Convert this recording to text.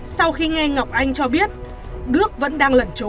sau khi nghe ngọc anh cho biết đức vẫn đang lẩn trốn